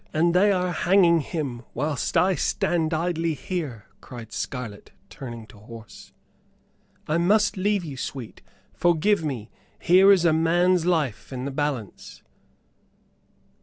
"And they are hanging him whilst I stand idly here," cried Scarlett, turning to horse. "I must leave you, sweet; forgive me. Here is a man's life in the balance."